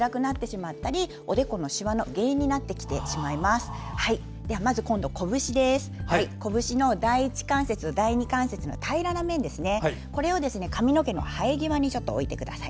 まずこぶしの第１関節、第２関節の平らな面を、髪の毛の生え際に置いてください。